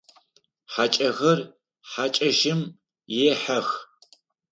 Хьакӏэхэр хьакӏэщым ехьэх.